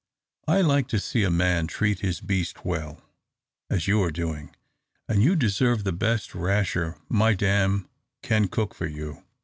I like to see a man treat his beast well, as you are doing; and you deserve the best rasher my dame can cook for you."